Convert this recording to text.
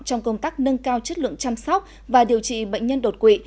trong công tác nâng cao chất lượng chăm sóc và điều trị bệnh nhân đột quỵ